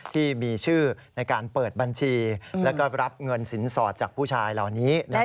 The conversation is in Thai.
ที่มีชื่อในการเปิดบัญชีแล้วก็รับเงินสินสอดจากผู้ชายเหล่านี้